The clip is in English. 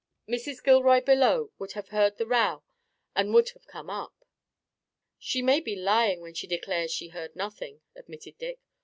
Mrs. Gilroy below would have heard the row and would have come up." "She may be lying when she declares she heard nothing," admitted Dick.